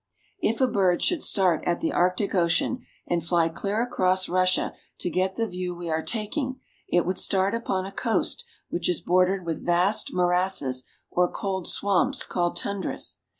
If a bird should start at the Arctic Ocean and fly clear across Russia to get the view we are taking, it would start upon a coast which is bordered with vast morasses or cold swamps called tundras.